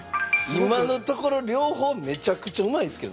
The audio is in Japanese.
今のところ両方めちゃくちゃうまいですけどね。